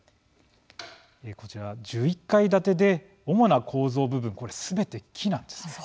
こちら、１１階建てで主な構造部分これ、すべて木なんです。